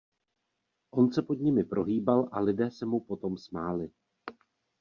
On se pod nimi prohýbal, a lidé se mu potom smáli.